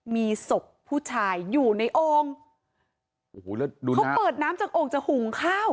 มีศพผู้ชายอยู่ในโอ่งโอ้โหแล้วดูสิเขาเปิดน้ำจากโอ่งจะหุงข้าว